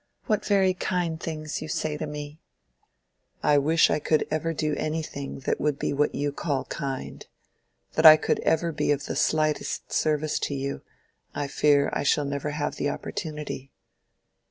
"What very kind things you say to me!" "I wish I could ever do anything that would be what you call kind—that I could ever be of the slightest service to you. I fear I shall never have the opportunity."